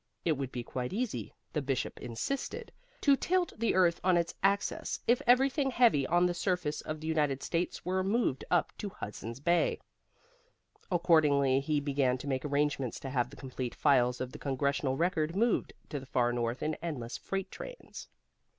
It would be quite easy (the Bishop insisted) to tilt the earth on its axis if everything heavy on the surface of the United States were moved up to Hudson's Bay. Accordingly he began to make arrangements to have the complete files of the Congressional Record moved to the far north in endless freight trains.